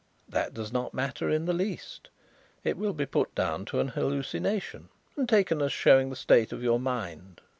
"That does not matter in the least. It will be put down to an hallucination and taken as showing the state of your mind."